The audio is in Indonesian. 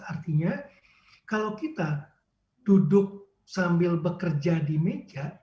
artinya kalau kita duduk sambil bekerja di meja